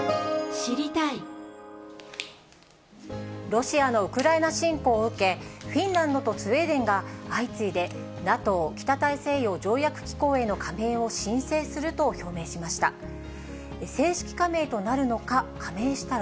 ロシアのウクライナ侵攻を受け、フィンランドとスウェーデンが相次いでＮＡＴＯ・北大西洋条約機構への加盟を申請すると表明しました。